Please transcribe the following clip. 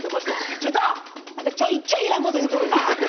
ちょっと！あんたちょいちょいいらんこと言うとるな。